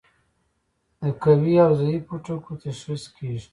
د قوي او ضعیفو ټکو تشخیص کیږي.